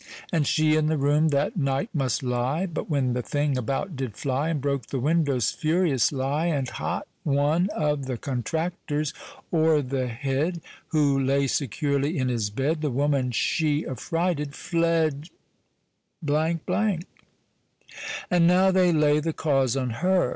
And she i' th' room that night must lie; But when the thing about did flie, And broke the windows furiously And hot one Of the contractors o're the head, Who lay securely in his bed, The woman, shee affrighted, fled ———— And now they lay the cause on her.